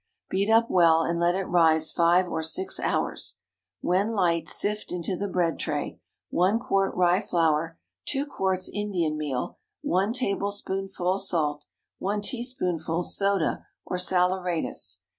Beat up well and let it rise five or six hours. When light, sift into the bread tray— 1 quart rye flour. 2 quarts Indian meal. 1 tablespoonful salt. 1 teaspoonful soda, or saleratus.